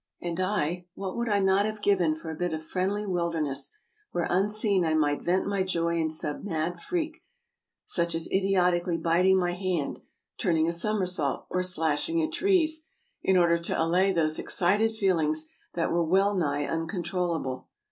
And I — what would I not have given for a bit of friendly wilderness, where, unseen, I might vent my joy in some mad freak, such as idiotically biting my hand, turning a somersault, or slashing at trees, in order to allay those excited feelings that were well nigh uncontrollable.